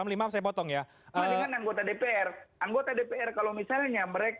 mereka kalau misalnya